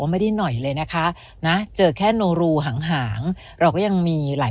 ไม่ได้หน่อยเลยนะคะนะเจอแค่โนรูหางหางเราก็ยังมีหลาย